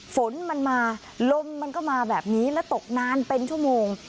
ฝนมันมาลมมันก็มาแบบนี้แล้วตกนานเป็นชั่วโมง